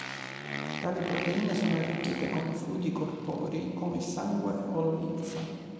Tali proteine sono arricchite con i fluidi corporei come il sangue o la linfa.